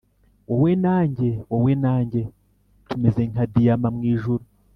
wowe na njye, wowe na njye, tumeze nka diyama mwijuru